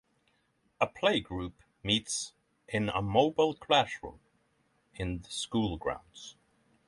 A Playgroup meets in a mobile classroom in the school grounds.